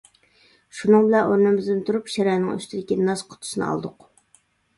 شۇنىڭ بىلەن ئورنىمىزدىن تۇرۇپ شىرەنىڭ ئۈستىدىكى ناس قۇتىسىنى ئالدۇق.